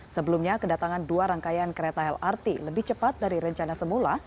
sebelumnya kedatangan dua rangkaian kereta lrt lebih cepat dari rencana semula